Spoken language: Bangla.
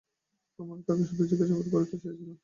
আমরা তাকে শুধু জিজ্ঞাবাদ করতে চেয়েছিলাম।